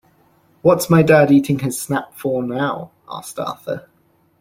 “What’s my dad eating his snap for now?” asked Arthur.